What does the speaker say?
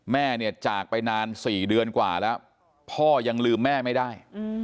แม่เนี่ยจากไปนาน๔เดือนกว่าแล้วพ่อยังลืมแม่ไม่ได้